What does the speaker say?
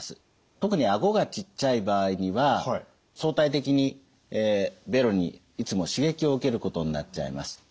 特に顎がちっちゃい場合には相対的にべろにいつも刺激を受けることになっちゃいます。